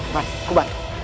paman aku bantu